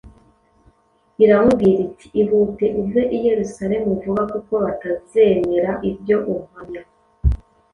iramubwira iti: “Ihute uve i Yerusalemu vuba, kuko batazemera ibyo umpamya.”